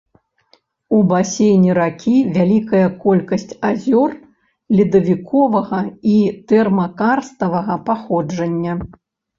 У басейне ракі вялікая колькасць азёр ледавіковага і тэрмакарставага паходжання.